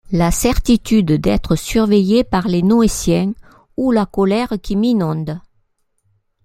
la certitude d'être surveillé par les Noétiens ou la colère qui m'inonde.